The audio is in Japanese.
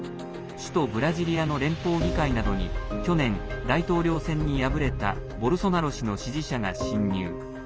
首都ブラジリアの連邦議会などに去年、大統領選に敗れたボルソナロ氏の支持者が侵入。